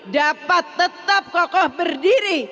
dapat tetap kokoh berdiri